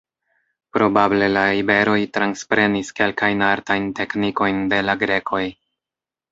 Probable la iberoj transprenis kelkajn artajn teknikojn de la grekoj.